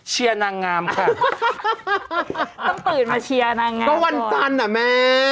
นางงามค่ะต้องตื่นมาเชียร์นางงามก็วันจันทร์อ่ะแม่